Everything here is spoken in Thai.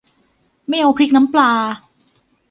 ไม่เอาพริกน้ำปลา